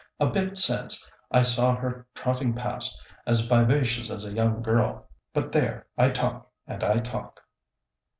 A bit since, I saw her trotting past, as vivacious as a young girl, but there, I talk and I talk!"